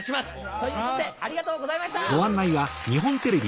ということでありがとうございました！